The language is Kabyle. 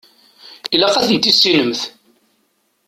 Ilaq ad ten-tissinemt.